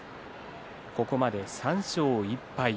ここまで３勝１敗。